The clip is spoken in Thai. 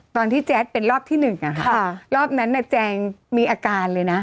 ตอนที่แจ๊กเป็นรอบที่หนึ่งอ่ะครับรอบนั้นน่ะแจ๊งมีอาการเลยนะ